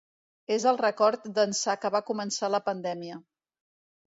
És el rècord d’ençà que va començar la pandèmia.